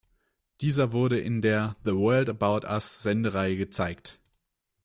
Dieser wurde in der "The World About Us" Sendereihe gezeigt.